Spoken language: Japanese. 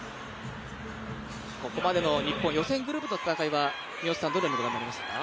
ここまでの日本、予選グループの戦いはどのようにご覧になりましたか？